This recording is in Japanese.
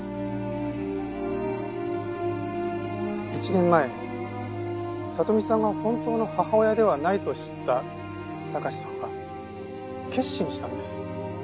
１年前里美さんは本当の母親ではないと知った貴史さんは決心したんです。